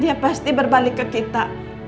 ya pasti berbalik ke kita